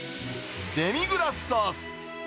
デミグラスソース。